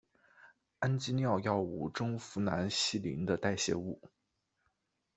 氨基脲药物中呋喃西林的代谢物。